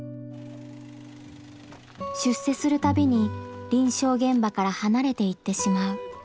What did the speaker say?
出世するたびに臨床現場から離れていってしまう。